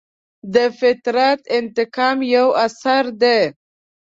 د فطرت انتقام یو اثر دی.